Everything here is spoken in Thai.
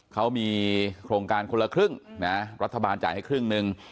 เขามีโครงการคนละครึ่งนะรัฐบาลจ่ายให้ครึ่งหนึ่ง